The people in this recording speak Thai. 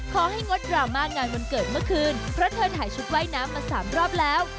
งดดราม่างานวันเกิดเมื่อคืนเพราะเธอถ่ายชุดว่ายน้ำมา๓รอบแล้ว